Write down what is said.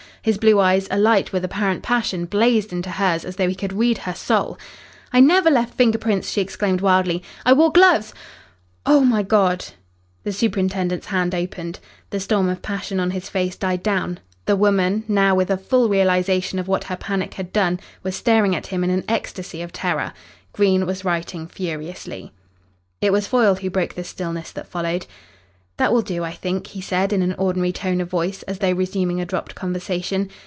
His blue eyes, alight with apparent passion, blazed into hers as though he could read her soul. "I never left finger prints," she exclaimed wildly. "I wore gloves.... Oh, my God!" The superintendent's hand opened. The storm of passion on his face died down. The woman, now with a full realisation of what her panic had done, was staring at him in an ecstasy of terror. Green was writing furiously. It was Foyle who broke the stillness that followed. "That will do, I think," he said in an ordinary tone of voice, as though resuming a dropped conversation.